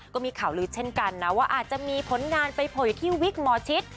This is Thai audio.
ก็มีข่าวลือเช่นกันนะว่าอาจจะมีผลงานไปโผล่อยู่ที่วิกหมอชิต